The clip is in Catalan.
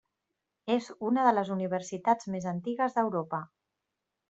És una de les universitats més antigues d'Europa.